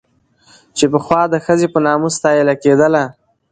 چې پخوا د ښځې په نامه ستايله کېدله